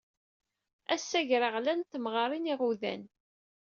Ass agraɣlan n temɣarin iɣudan!